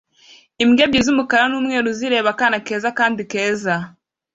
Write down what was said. Imbwa ebyiri z'umukara n'umweru zireba akana keza kandi keza